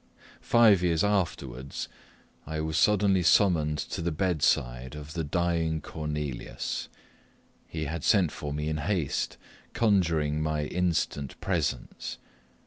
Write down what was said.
Five years afterwards I was suddenly summoned to the bedside of the dying Cornelius. He had sent for me in haste, conjuring my instant presence.